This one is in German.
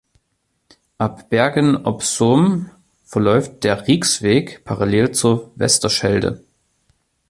Ab Bergen op Zoom verläuft der Rijksweg parallel zur Westerschelde.